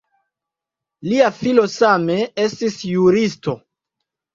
Lia filo same estis juristo.